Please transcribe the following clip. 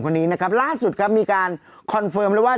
คนนี้นะครับล่าสุดครับมีการคอนเฟิร์มแล้วว่า